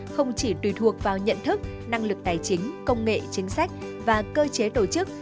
không chỉ tùy thuộc vào nhận thức năng lực tài chính công nghệ chính sách và cơ chế tổ chức